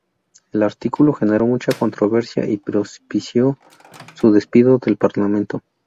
El artículo generó mucha controversia y propició su despido del parlamento.